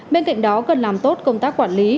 bên cạnh đó cần làm tốt công tác quản lý